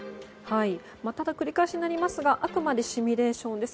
繰り返しになりますがあくまでシミュレーションです。